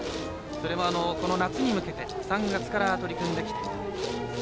それは、その夏に向けて３月から取り組んできた。